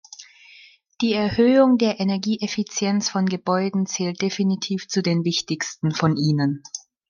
Die Erhöhung der Energieeffizienz von Gebäuden zählt definitiv zu den wichtigsten von ihnen.